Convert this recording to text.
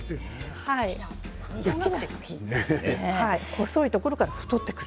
細いところから太ってくる。